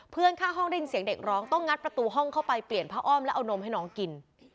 ข้างห้องได้ยินเสียงเด็กร้องต้องงัดประตูห้องเข้าไปเปลี่ยนผ้าอ้อมแล้วเอานมให้น้องกิน